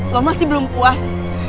lo masih belum puas